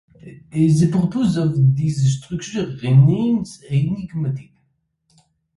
The purpose of this structure remains enigmatic.